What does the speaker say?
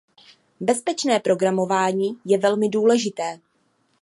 Bezpečné programování je velmi důležité.